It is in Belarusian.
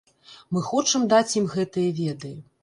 Мы хочам даць ім гэтыя веды.